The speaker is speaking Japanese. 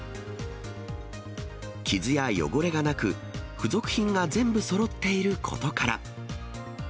傷や汚れがなく、付属品が全部そろっていることから。